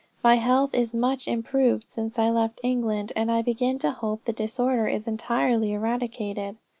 My health is much improved since I left England and I begin to hope the disorder is entirely eradicated."